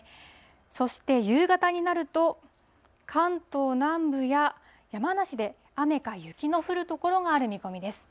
そして夕方になると、関東南部や山梨で雨か雪の降る所がある見込みです。